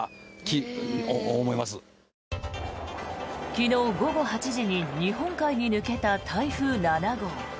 昨日午後８時に日本海に抜けた台風７号。